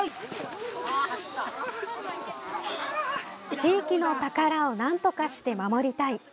地域の宝をなんとかして守りたい。